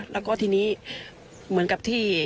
แล้วก็ทีนี้เหมือนกับที่